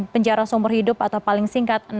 penjara seumur hidup atau paling singkat